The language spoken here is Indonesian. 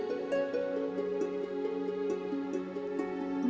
maafkan aku when yeast semakin meriah